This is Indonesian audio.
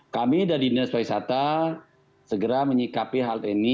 kami dari dinas pariwisata segera menyikapi hal ini